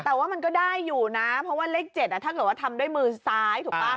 แต่ว่ามันก็ได้อยู่นะเพราะว่าเลข๗ถ้าเกิดว่าทำด้วยมือซ้ายถูกป่ะ